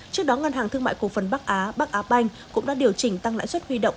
trước đó ngân hàng thương mại cổ phần bắc á bắc á banh cũng đã điều chỉnh tăng lãi suất huy động